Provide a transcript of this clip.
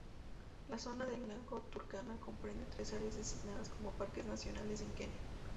La zona del lago Turkana comprende tres áreas designadas como parques nacionales en Kenia.